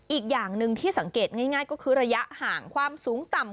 อีกอย่างหนึ่งที่สังเกตง่ายก็คือระยะห่างความสูงต่ำ